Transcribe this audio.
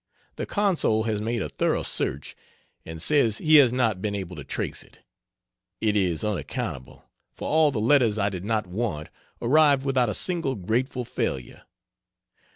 The consul has made a thorough search and says he has not been able to trace it. It is unaccountable, for all the letters I did not want arrived without a single grateful failure.